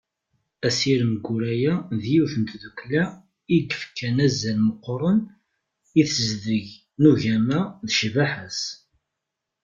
Asirem Guraya d yiwet n tdukkla i yefkan azal meqqren i tezdeg n ugama d ccbaḥa-s.